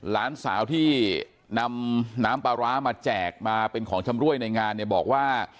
หลานสาวที่นำน้ำปลาร้ามาแจกมาเป็นของชำรวยในงานเนี่ยบอกว่า